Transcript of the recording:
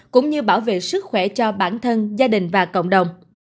cũng như bảo vệ sức khỏe cho bản thân gia đình và cộng đồng